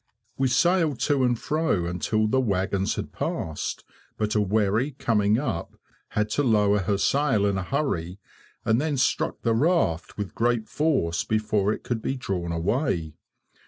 We sailed to and fro until the wagons had passed, but a wherry coming up had to lower her sail in a hurry, and then struck the raft with great force before it could be drawn away.